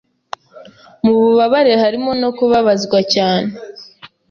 Mububabare harimo no kubabazwa cyane